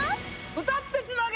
歌ってつなげ！